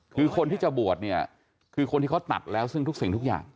คือคนที่จะบวชเนี่ยคือคนที่เขาตัดแล้วซึ่งทุกสิ่งทุกอย่าง